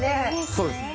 そうですね。